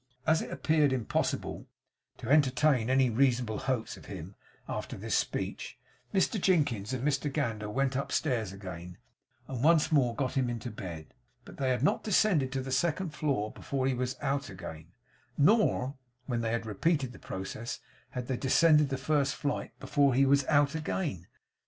As it appeared impossible to entertain any reasonable hopes of him after this speech, Mr Jinkins and Mr Gander went upstairs again, and once more got him into bed. But they had not descended to the second floor before he was out again; nor, when they had repeated the process, had they descended the first flight, before he was out again.